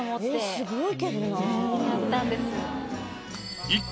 すごいけどな。